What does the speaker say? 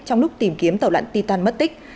trong lúc tìm kiếm tàu lận titan mất tích